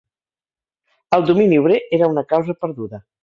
El domini obrer era una causa perduda